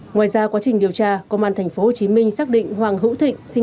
ngoài ra quá trình điều tra công an tp hcm xác định hoàng hữu thịnh sinh